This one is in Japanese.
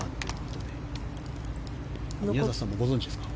宮里さん、ご存じですか？